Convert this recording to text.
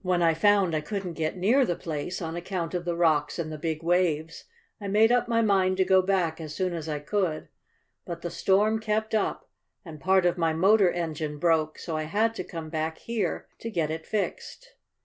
"When I found I couldn't get near the place, on account of the rocks and the big waves, I made up my mind to go back as soon as I could. But the storm kept up, and part of my motor engine broke, so I had to come back here to get it fixed.